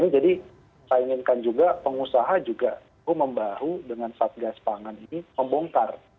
jadi saya inginkan juga pengusaha juga membahu dengan satgas pangan ini membongkar